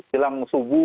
di dalam subuh